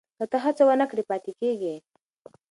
که ته هڅه ونه کړې پاتې کېږې.